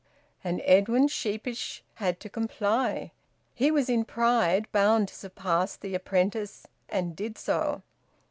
And Edwin, sheepish, had to comply. He was in pride bound to surpass the apprentice, and did so.